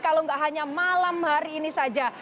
kalau nggak hanya malam hari ini saja